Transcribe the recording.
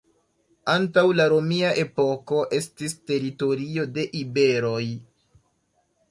Antaŭ la romia epoko estis teritorio de iberoj.